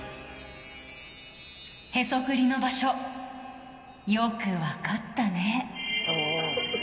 「へそくりの場所よく分かったね」。